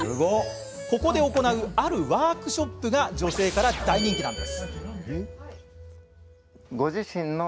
ここで行うあるワークショップが女性から大人気なんです。